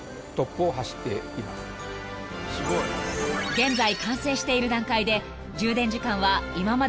［現在完成している段階で充電時間は今までの３分の１］